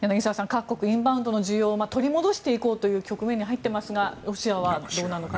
各国、インバウンドの需要を取り戻していこうという局面に入っていますがロシアはどうなのかと。